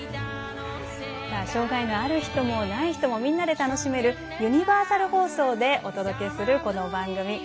障がいのある人もない人もみんなで楽しめるユニバーサル放送でお届けするこの番組。